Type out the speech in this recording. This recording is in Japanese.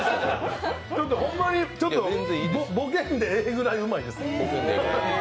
ホンマにボケんでええぐらいうまいです。